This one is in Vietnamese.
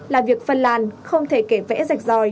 là việc phân làn không thể kể vẽ rạch ròi